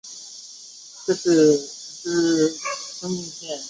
次年卒。